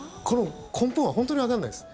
根本は本当にわからないです。